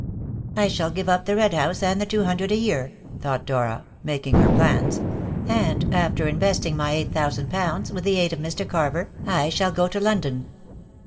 "I shall give up the Red House and the two hundred a year," thought Dora, making her plans, "and, after investing my eight thousand pounds with the aid of Mr. Carver, I shall go to London.